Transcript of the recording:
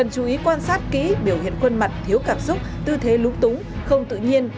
chú ý quan sát kỹ biểu hiện khuân mặt thiếu cảm xúc tư thế lũ túng không tự nhiên